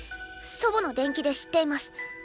祖母の伝記で知っています。